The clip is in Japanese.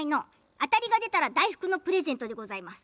当たりが出たら大福をプレゼントでございます。